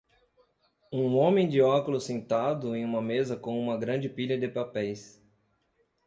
Um homem de óculos sentado em uma mesa com uma grande pilha de papéis.